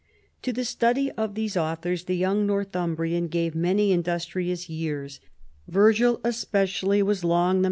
To the study of these authors the young Northumbrian gave many industrious years ; Virgil especially was long the CAROLUS AUGUSTUS.